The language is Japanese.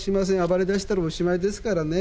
暴れだしたらおしまいですからね。